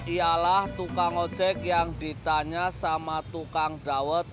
ialah tukang ojek yang ditanya sama tukang dawet